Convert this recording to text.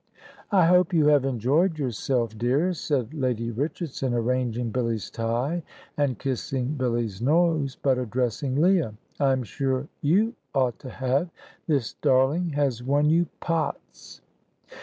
"I hope you have enjoyed yourself, dear," said Lady Richardson, arranging Billy's tie and kissing Billy's nose, but addressing Leah; "I'm sure you ought to have. This darling has won you pots."